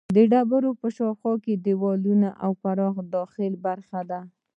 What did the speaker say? د ډبرې شاوخوا دیوالونه او پراخه داخلي برخه ده.